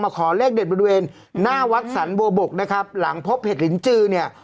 ขอเลขเด็ดบริเวณหน้าวัดสรรโบบกนะครับหลังพบเห็ดลินจือเนี่ย